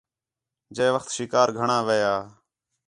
جَئے وخت شِکار گھݨاں ویھا